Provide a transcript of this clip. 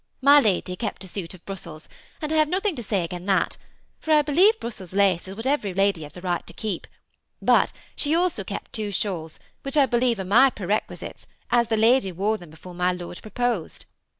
My Lady kept her suit of Brussels, and I had nothing to §ay again that, for I be lieve Brussels lace is what every lady have a right to keep ; but she also kept two shawls, which I believe are my perquisites, as my Lady wore them before my Lord proposed.